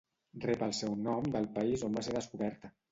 Rep el seu nom del país on va ser descoberta: